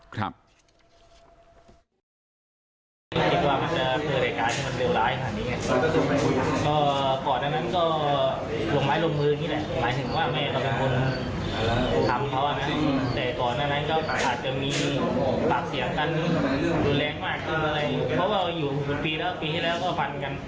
ครับ